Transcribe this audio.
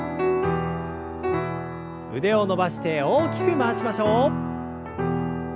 腕を伸ばして大きく回しましょう。